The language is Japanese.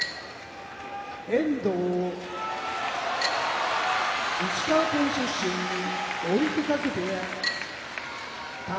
遠藤石川県出身追手風部屋宝